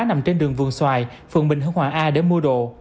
nằm trên đường vườn xoài phường bình hưng hòa a để mua đồ